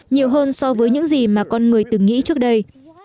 nhiều hơn so với những gì mà con người từng nghĩ trước đây